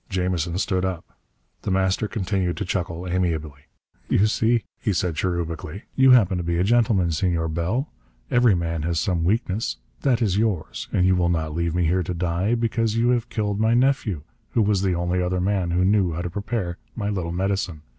Jamison stood up. The Master continued to chuckle amiably. "You see," he said cherubically, "you happen to be a gentleman, Senor Bell. Every man has some weakness. That is yours. And you will not leave me here to die, because you have killed my nephew, who was the only other man who knew how to prepare my little medicine.